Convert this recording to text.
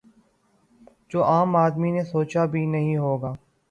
جو عام آدمی نے سوچا بھی نہیں ہو گا